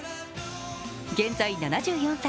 現在７４歳。